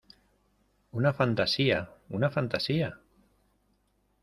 ¡ una fantasía! ¡ una fantasía !...